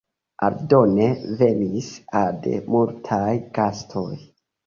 Aldone venis ade multaj gastoj.